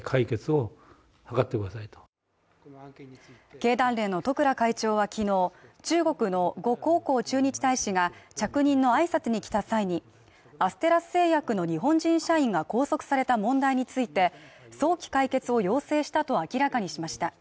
経団連の十倉会長はきのう、中国の呉江浩駐日大使が着任の挨拶に来た際に、アステラス製薬の日本人社員が拘束された問題について、早期解決を要請したと明らかにしました。